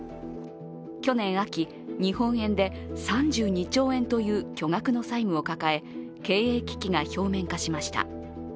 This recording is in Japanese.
去年秋、日本円で３２兆円という巨額の債務を抱え経営危機が表面化しました。